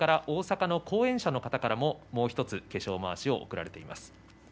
それから大阪の後援者の方からもう１つ化粧まわしを贈られています。